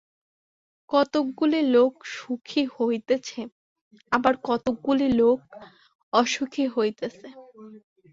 কতকগুলি লোক সুখী হইতেছে, আবার কতকগুলি লোক অসুখী হইতেছে।